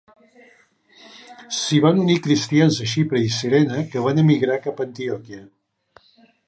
S'hi van unir cristians de Xipre i Cirene que van emigrar cap a Antioquia.